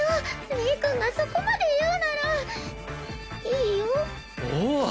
レイ君がそこまで言うならいいよおおっ！